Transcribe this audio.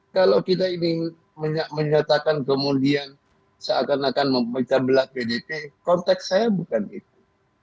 kalau kita ingin menyatakan kemudian seakan akan memecah belah pdp konteks saya bukan itu